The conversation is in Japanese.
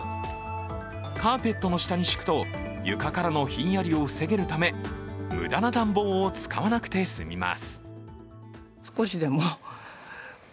カーペットの下に敷くと床からのひんやりを防げるため無駄な暖房を使わなくて済みます。